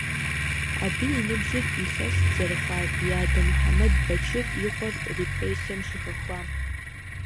Абы и ныбжьыр илъэст зэрыхъуар и адэ Мухьэмэд Бэчыр и къуэр репрессием щыхэхуам.